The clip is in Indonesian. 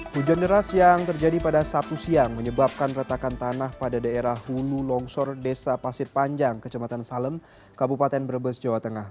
hujan deras yang terjadi pada sabtu siang menyebabkan retakan tanah pada daerah hulu longsor desa pasir panjang kecamatan salem kabupaten brebes jawa tengah